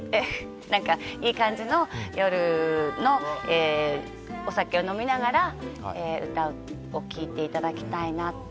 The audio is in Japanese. いい感じの夜のお酒を飲みながら歌を聴いていただきたいなと。